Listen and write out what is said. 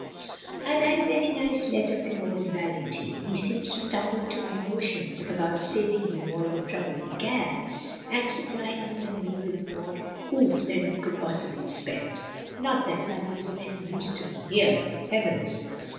/ 've had a very nice letter from old Valentine. He seems to tumble to my notions about saving you all the trouble he can, and supplying you and me with more oof than we could possibly spend. Not that money is of any use to me here. Heavens!